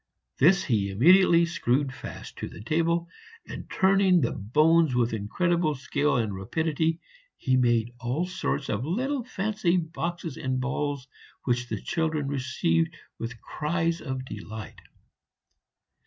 This he immediately screwed fast to the table, and turning the bones with incredible skill and rapidity, he made all sorts of little fancy boxes and balls, which the children received with cries of delight.